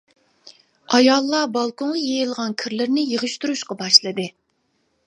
ئاياللار بالكونغا يېيىلغان كىرلىرىنى يىغىشتۇرۇشقا باشلىدى.